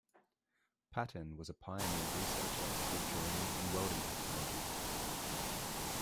Paton was a pioneer researcher of joining and welding technology.